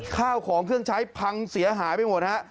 ข้าวของเครื่องใช้พังเสียหายไปหมดฮะ